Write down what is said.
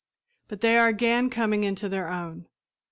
But they are again coming into their own.